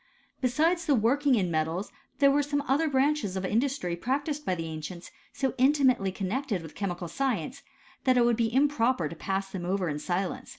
Besides the wockiog in metals there were some olher branches of industry practised by the ancients, so in timately connected with chemical science, that it would be improper to pass them over in silence.